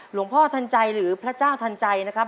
หลวงพ่อทันใจหรือพระเจ้าทันใจนะครับ